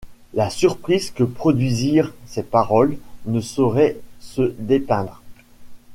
La surprise que produisirent ces paroles ne saurait se dépeindre.